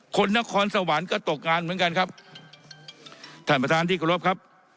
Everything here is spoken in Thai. นครสวรรค์ก็ตกงานเหมือนกันครับท่านประธานที่เคารพครับ